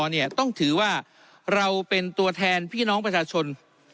เนี่ยต้องถือว่าเราเป็นตัวแทนพี่น้องประชาชน